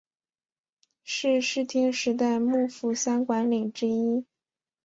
是室町时代幕府三管领之一。